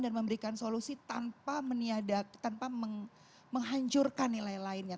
dan memberikan solusi tanpa meniadat tanpa menghancurkan nilai lainnya